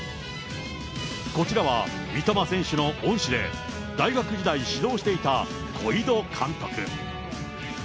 こちらは三笘選手の恩師で大学時代、指導していた小井土監督。